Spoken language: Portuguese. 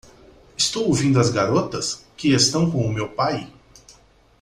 Estou ouvindo as garotas, que estão com o meu pai?